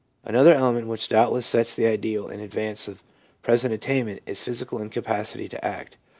Another element which doubtless sets the ideal in advance of present attainment is physical incapacity to act.